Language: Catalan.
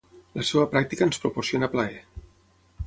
La seva pràctica ens proporciona plaer.